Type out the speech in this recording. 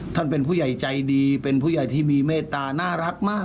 ท่านเป็นผู้ใหญ่ใจดีเป็นผู้ใหญ่ที่มีเมตตาน่ารักมาก